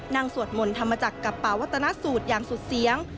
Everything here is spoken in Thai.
นั่งสวดมนต์ทำมาจากกับประวัตนสูตรอย่างสุดเสียง